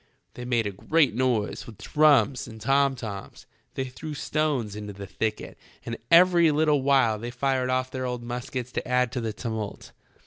They made a great noise with drums and tom toms, they threw stones into the thicket, and every little while they fired off their old muskets to add to the tumult.